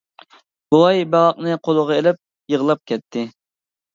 بوۋاي باغاقنى قولىغا ئېلىپ، يىغلاپ كەتتى.